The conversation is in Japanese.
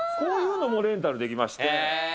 こういうのもレンタルできまして。